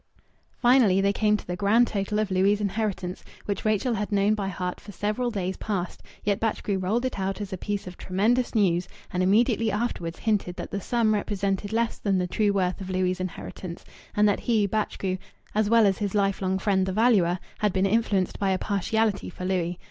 Finally, they came to the grand total of Louis' inheritance, which Rachel had known by heart for several days past; yet Batchgrew rolled it out as a piece of tremendous news, and immediately afterwards hinted that the sum represented less than the true worth of Louis' inheritance, and that he, Batchgrew, as well as his lifelong friend the valuer, had been influenced by a partiality for Louis.